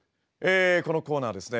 このコーナーはですね